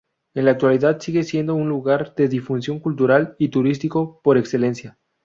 En la actualidad sigue siendo un lugar de difusión cultural y turístico por excelencia.